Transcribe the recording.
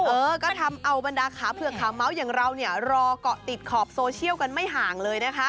เออก็ทำเอาบรรดาขาเผือกขาเมาส์อย่างเราเนี่ยรอเกาะติดขอบโซเชียลกันไม่ห่างเลยนะคะ